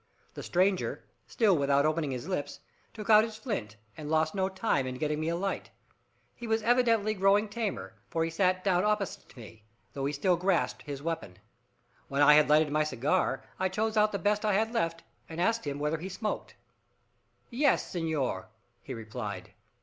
The stranger, still without opening his lips, took out his flint, and lost no time in getting me a light. He was evidently growing tamer, for he sat down opposite to me, though he still grasped his weapon. When I had lighted my cigar, I chose out the best I had left, and asked him whether he smoked. "Yes, senor," he replied.